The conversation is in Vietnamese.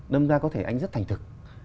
nâng ra có thể anh rất thành thực